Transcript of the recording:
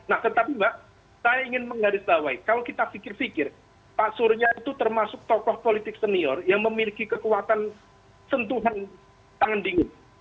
nah tetapi mbak saya ingin menggarisbawahi kalau kita pikir pikir pak surya itu termasuk tokoh politik senior yang memiliki kekuatan sentuhan tangan dingin